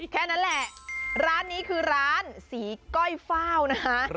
แค่นั้นแหละร้านนี้คือร้านสีก้อยเฝ้านะคะ